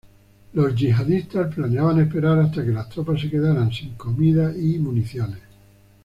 Los yihadistas planeaban esperar hasta que las tropas se quedaran sin comida y municiones.